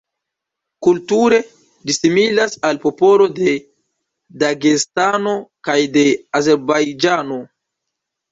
Kulture, ĝi similas al popolo de Dagestano kaj de Azerbajĝano.